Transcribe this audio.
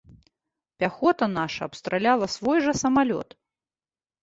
Пяхота наша абстраляла свой жа самалёт.